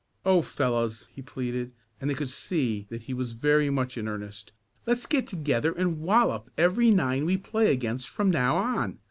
"Oh, fellows!" he pleaded and they could see that he was very much in earnest, "let's get together and wallop every nine we play against from now on!